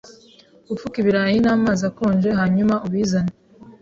Gupfuka ibirayi n'amazi akonje hanyuma ubizane.